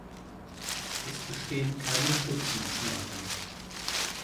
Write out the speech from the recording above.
Es bestehen keine Schutzmaßnahmen.